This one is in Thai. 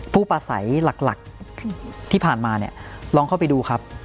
ประสัยหลักที่ผ่านมาเนี่ยลองเข้าไปดูครับ